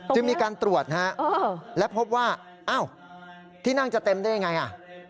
จึงมีการตรวจและพบว่าที่นั่งจะเต็มได้อย่างไร